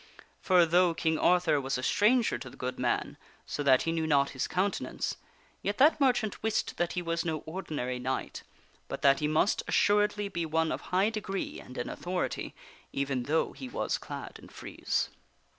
For though King Arthur was a stran ger to the good man, so that he knew not his countenance, yet that mer chant wist that he was no ordinary knight, but that he must assuredly be one of high degree and in authority, even though he was clad in frieze.